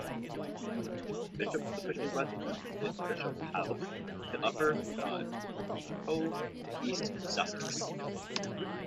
The bishop's official residence is Bishop's House, The Upper Drive, Hove, East Sussex.